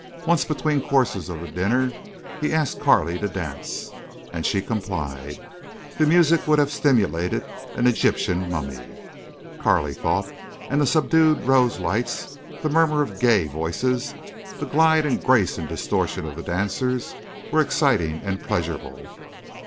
Once between courses of the dinner he asked Carley to dance, and she complied. The music would have stimulated an Egyptian mummy, Carley thought, and the subdued rose lights, the murmur of gay voices, the glide and grace and distortion of the dancers, were exciting and pleasurable.